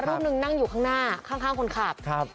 รูปหนึ่งนั่งอยู่ข้างหน้าข้างคนขับ